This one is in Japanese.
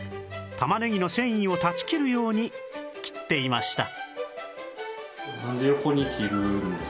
玉ねぎの繊維を断ち切るように切っていました